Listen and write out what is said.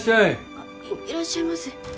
あっいらっしゃいませ。